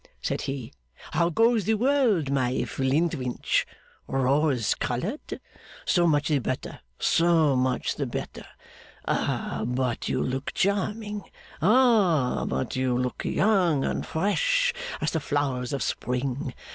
said he. 'How goes the world, my Flintwinch? Rose coloured? So much the better, so much the better! Ah, but you look charming! Ah, but you look young and fresh as the flowers of Spring!